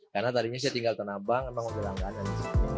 karena tadinya saya tinggal di tanah abang emang aku bilang gak ada disini